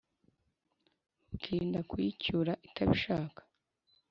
Ukirinda kuyicyura itabishaka